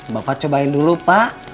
bapak cobain dulu pak